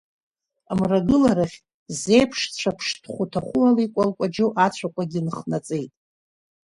Мрагыларахь зеиԥш цәаԥшҭәхә уҭаху ала икәалкәаџьо ацәаҟәагьы ныхнаҵеит.